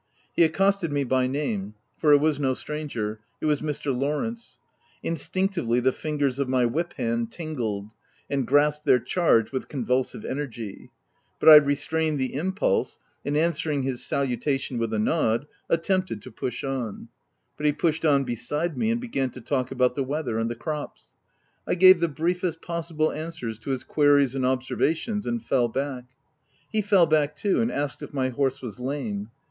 He accosted me by name ; for it was no stranger — it was Mr. Lawrence ! Instinctively the fin gers of my whip hand tingled, and grasped their charge with convulsive energy ; but I re strained the impulse, and answering his salu tation with a nod, attempted to push on ; but he pushed on beside me and began to talk about the weather and the crops, I gave the briefest possible answers to his queries and observations, and fell back. He fell back too, and asked if my horse was lame.